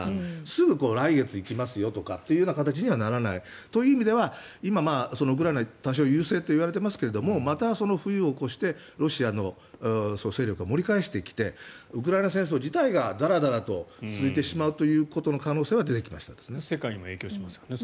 すぐ来月、行きますよという形にはならないという意味では今、ウクライナ多少、優勢といわれていますけどまた冬を越してロシアの勢力が盛り返してきてウクライナ戦争自体がだらだらと続いてしまうという可能性は世界にも影響しますね。